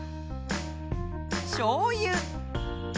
しょうゆ。